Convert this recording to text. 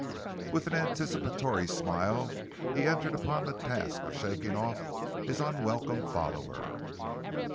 With an anticipatory smile, he entered upon the task of shaking off his unwelcome follower.